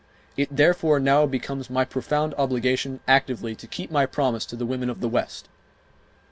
It, therefore, now becomes my profound obligation actively to keep my promise to the women of the West.